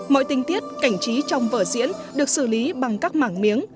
mọi tinh tiết cảnh trí trong vở diễn được xử lý bằng các mảng miếng